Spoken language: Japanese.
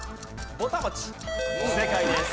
正解です。